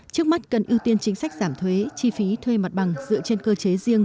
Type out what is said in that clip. trước mắt cần ưu tiên chính sách giảm thuế chi phí thuê mặt bằng dựa trên cơ chế riêng